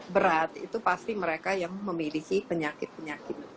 berat itu pasti mereka yang memiliki penyakit penyakit